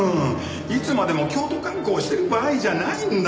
いつまでも京都観光してる場合じゃないんだよ！